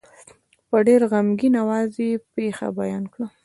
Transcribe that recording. په ډېر غمګین آواز یې پېښه بیان کړه.